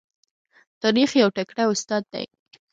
تاریخ یو تکړه استاد دی.